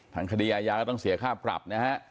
ทางคดีอาญาก็ต้องเสียค่าปรับนะฮะ